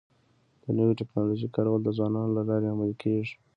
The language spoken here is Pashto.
د نوې ټکنالوژۍ کارول د ځوانانو له لارې عملي کيږي.